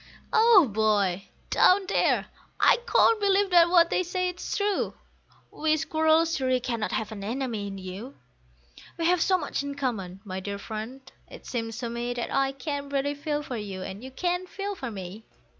Oh boy, down there, I can't believe that what they say is true! We squirrels surely cannot have an enemy in you; We have so much in common, my dear friend, it seems to me That I can really feel for you, and you can feel for me.